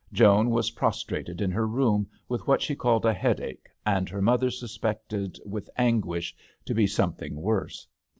Joan was prostrate in her room with what she called a headache, and her mother suspected, with an guishy to be something worse.